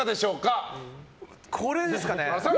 これですかね。